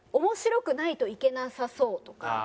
「面白くないといけなさそう」とか。